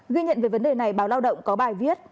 ghi nhận về vấn đề này báo lao động có bài viết